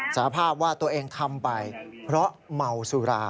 สาภาพว่าตัวเองทำไปเพราะเมาสุรา